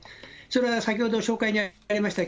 それは先ほど紹介にありました、